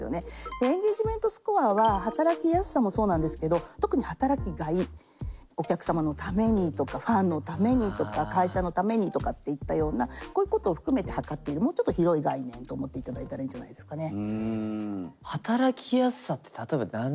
でエンゲージメントスコアは働きやすさもそうなんですけど特に働きがいお客様のためにとかファンのためにとか会社のためにとかっていったようなこういうことを含めて測っているもうちょっと広い概念と思っていただいたらいいんじゃないですかね。